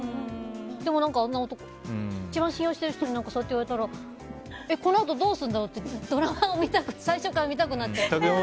でも一番信用してる人にああやって言われたらこのあとどうするんだろうってドラマを最初から見たくなっちゃった。